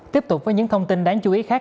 tiếp tục với những thông tin đáng chú ý khác